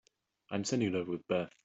I'm sending it over with Beth.